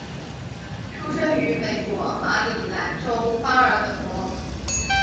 出生于美国马里兰州巴尔的摩。